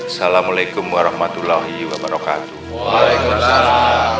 assalamualaikum warahmatullahi wabarakatuh waalaikumsalam